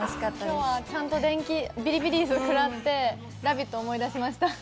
今日はちゃんとビリビリ椅子を食らって「ラヴィット！」を思い出しました。